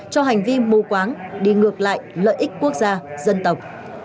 cho hành vi mù quáng đi ngược lại lợi ích quốc gia dân tộc